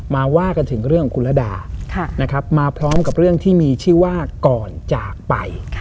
มาว่ากันถึงเรื่องของคุณระดามาพร้อมกับเรื่องที่มีชื่อว่าก่อนจากไป